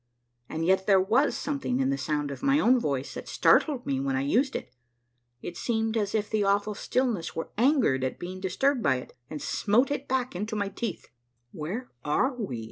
And yet there was something in the sound of my own voice that startled me when I used it : it seemed as if the awful stillness were angered at being disturbed by it, and smote it back into my teeth. Where are we